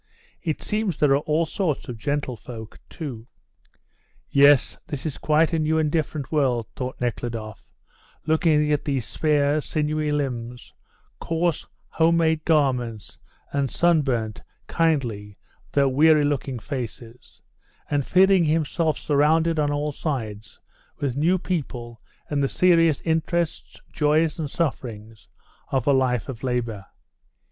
"It seems there are all sorts of gentlefolk, too." "Yes, this is quite a new and different world," thought Nekhludoff, looking at these spare, sinewy, limbs, coarse, home made garments, and sunburnt, kindly, though weary looking faces, and feeling himself surrounded on all sides with new people and the serious interests, joys, and sufferings of a life of labour.